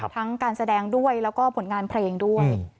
การแสดงด้วยแล้วก็ผลงานเพลงด้วย